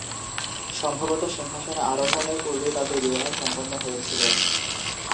সম্ভবত সিংহাসনে আরোহণের পূর্বেই তাঁদের বিবাহ সম্পন্ন হয়েছিল।